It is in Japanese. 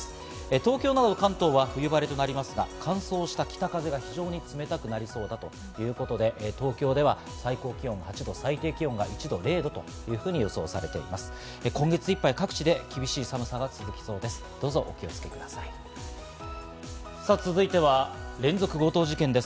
東京など関東は冬晴れとなりますが、乾燥した北風が非常に冷たくなりそうだということで、東京では最高気温８度、最低気温が１度、０度と予想されています。